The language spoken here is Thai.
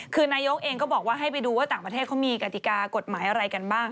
คือนายกเองก็บอกว่าให้ไปดูว่าต่างประเทศเขามีกติกากฎหมายอะไรกันบ้าง